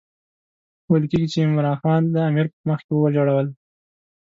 ویل کېږي چې عمرا خان د امیر په مخکې وژړل.